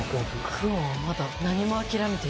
久遠はまだ何も諦めていない。